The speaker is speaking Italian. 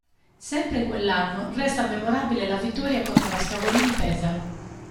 Sempre in quell'anno resta memorabile la vittoria contro la Scavolini Pesaro.